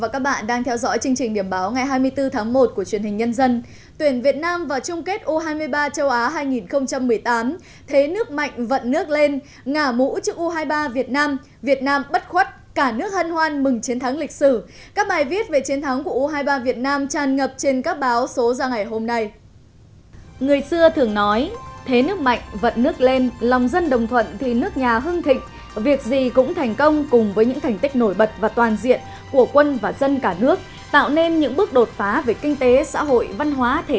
các bạn hãy đăng ký kênh để ủng hộ kênh của chúng mình nhé